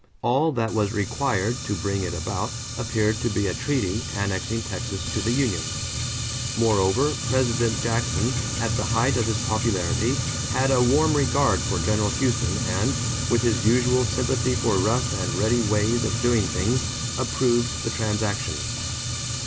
All that was required to bring it about appeared to be a treaty annexing Texas to the union. Moreover, President Jackson, at the height of his popularity, had a warm regard for General Houston and, with his usual sympathy for rough and ready ways of doing things, approved the transaction.